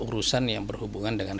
urusan yang berhubungan dengan